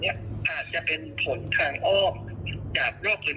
หรือว่าคนที่เป็นโรคการมึงใจสาตัวโปรคลอง